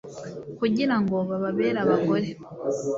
kugira ngo bababere abagore